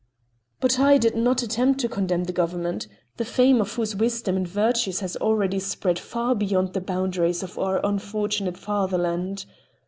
But I did not attempt to condemn the Government, the fame of whose wisdom and virtues has already spread far beyond the boundaries of our unfortunate fatherland.